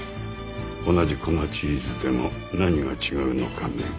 同じ粉チーズでも何が違うのかね？